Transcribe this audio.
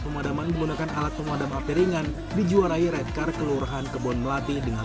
pemadaman menggunakan alat pemadam api ringan dijuarai red car kelurahan kebon melati dengan